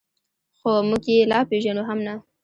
خو موږ یې لا پېژنو هم نه.